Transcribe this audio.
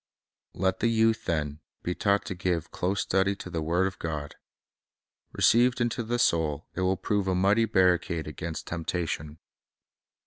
Let the youth, then, be taught to give close study to the word of God. Received into the soul, it will prove a mighty barricade against temptation.